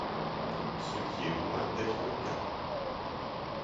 Ce qui est loin d'être le cas.